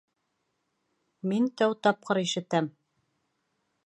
Мин тәү тапҡыр ишетәм.